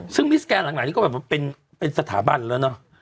ซึ่งมิสแกนหลังนี้ก็แบบว่าเป็นสถาบันแล้วเนอะ